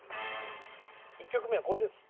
１曲目はこれです。